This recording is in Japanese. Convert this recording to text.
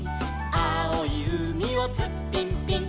「あおいうみをツッピンピン」